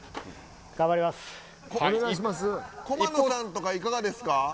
駒野さんとか、いかがですか。